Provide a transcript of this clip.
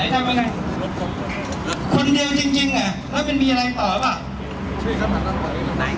สวัสดีครับทุกคน